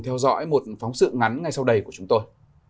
theo dõi một phóng sự ngắn ngay sau đây của chúng tôi